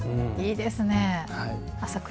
いいですね！